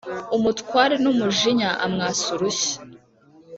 umutware numujinya amwasa urushyi